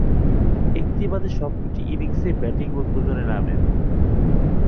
একটি বাদে সবকটি ইনিংসেই ব্যাটিং উদ্বোধনে নামেন।